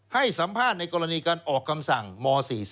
ให้สัมภาษณ์ในกรณีการออกคำสั่งม๔๔